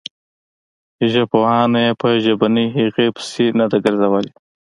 ژبپوهانو یې په ژبنۍ هغې پسې نه ده ګرځولې.